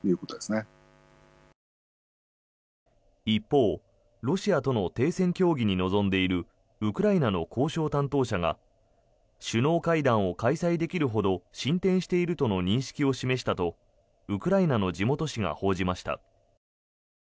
一方ロシアとの停戦協議に臨んでいるウクライナの交渉担当者が首脳会談を開催できるほど進展しているとの認識を示したとウクライナの地元紙が報じました。